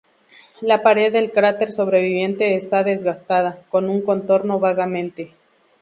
La pared del cráter sobreviviente está desgastada, con un contorno vagamente.